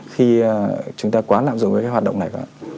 khi chúng ta quá nạm dụng với cái hoạt động này